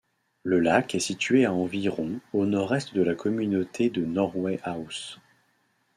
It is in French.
Le lac est situé à environ au nord-est de la communauté de Norway House.